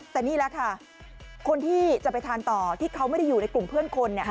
แต่นี่แหละค่ะคนที่จะไปทานต่อที่เขาไม่ได้อยู่ในกลุ่มเพื่อนคน